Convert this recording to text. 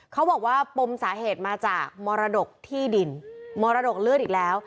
เขาบอกว่าปมสาเหตุมาจากมรดกที่ดินมรดกเลือดอีกแล้ว